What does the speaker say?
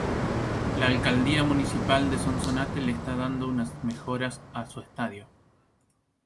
La Alcaldía Municipal de Sonsonate le está dando unas mejoras a su estadio.